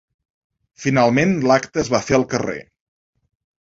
Finalment, l’acte es va fer al carrer.